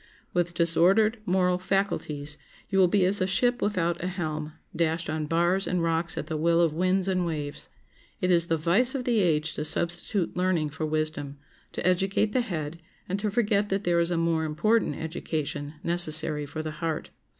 With disordered moral faculties you will be as a ship without a helm, dashed on bars and rocks at the will of winds and waves. It is the vice of the age to substitute learning for wisdom, to educate the head, and to forget that there is a more important education necessary for the heart.